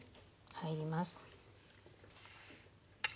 入ります。